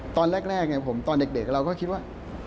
ตอนแรกผมตอนเด็กเราก็คิดว่า